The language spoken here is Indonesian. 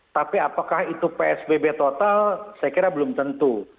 tapi apakah itu psbb total saya kira belum tentu